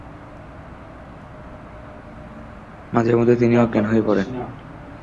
মাঝে মধ্যে তিনি অজ্ঞান হয়ে পড়েন।